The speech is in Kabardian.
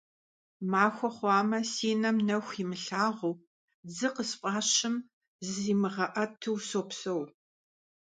Махуэ хъуамэ си нэм нэху имылъагъуу, дзы къысфӀащым зызимыгъэӀэту сопсэу.